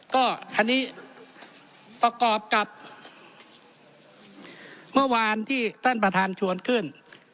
ก็อันนี้ประกอบกับเมื่อวานที่ท่านประธานชวนขึ้น